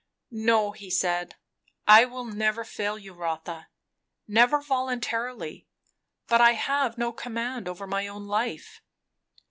"No," he said, "I will never fail you, Rotha; never voluntarily; but I have no command over my own life.